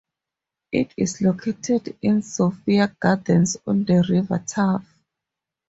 It is located in Sophia Gardens on the River Taff.